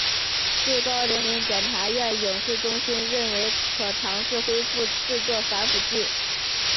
最高人民检察院影视中心认为可尝试恢复制作反腐剧。